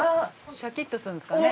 シャキッとするんですかね。